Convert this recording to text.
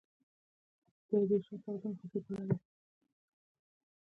که ښځه زده کړې کړي وي اولادو په تربیه کې مهم رول لوبوي